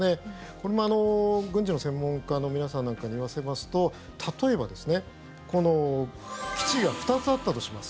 これも軍事の専門家の皆さんなんかに言わせますと例えばですね基地が２つあったとします。